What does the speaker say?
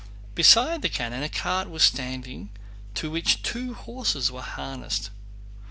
Beside the cannon a cart was standing to which two horses were harnessed.